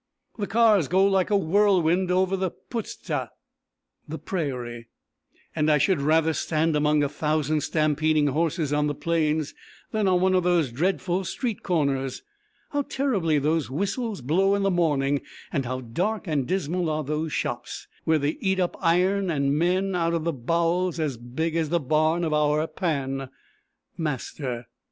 The cars go like a whirlwind over the Puszta (prairie) and I should rather stand among a thousand stampeding horses on the plains, than on one of those dreadful street corners. How terribly those whistles blow in the morning and how dark and dismal are those shops, where they eat up iron and men out of bowls as big as the barn of our 'Pan' (master).